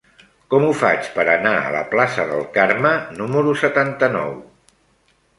Com ho faig per anar a la plaça del Carme número setanta-nou?